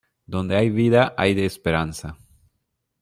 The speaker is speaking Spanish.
Donde hay vida hay esperanza.